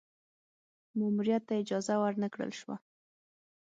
ماموریت ته اجازه ور نه کړل شوه.